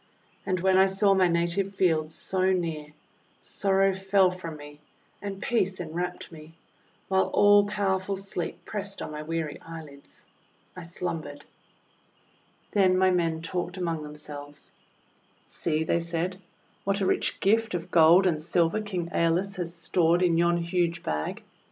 And when I saw my native fields so near, sorrow fell from me and peace enwrapped me, while all powerful Sleep pressed on my weary eyelids. J slumbered. THE BAG OF WINDS 271 Then my men talked among themselves. "See," said they, 'what a rich gift of gold and silver King JSolus has stored in yon huge bag!